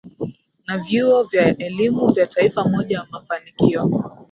na vyuo vya elimu ya taifa Moja ya mafanikio